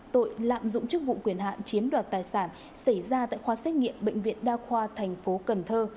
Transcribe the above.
tội lạm dụng chức vụ quyền hạn chiếm đoạt tài sản xảy ra tại khoa xét nghiệm bệnh viện đa khoa thành phố cần thơ